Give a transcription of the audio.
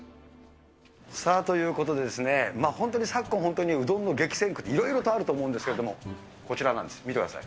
さあ、ということでですね、本当に昨今、本当にうどんの激戦区、いろいろとあると思うんですけれども、こちらなんです、見てください。